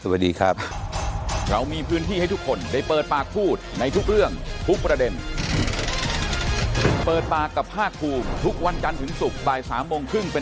วันนี้ขอบคุณครับท่านครับ